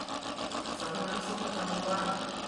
สาธารณสุขประจำหมู่บ้าน